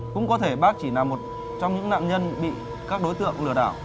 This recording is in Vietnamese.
cũng có thể bác chỉ là một trong những nạn nhân bị các đối tượng lừa đảo